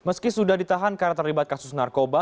meski sudah ditahan karena terlibat kasus narkoba